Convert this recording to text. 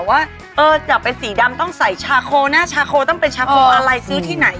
ว่าจะเป็นสีดำต้องใส่ชาโคหน้าชาโคต้องเป็นชาโคอะไรซื้อที่ไหน